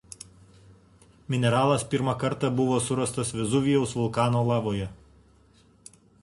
Mineralas pirmą kartą buvo surastas Vezuvijaus vulkano lavoje.